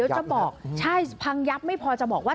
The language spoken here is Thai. อ๋อพังยับนะใช่พังยับไม่พอจะบอกว่า